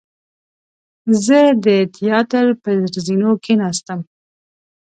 زه د تیاتر پر زینو کېناستم.